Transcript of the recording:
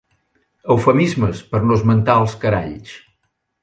Eufemismes per no esmentar els caralls.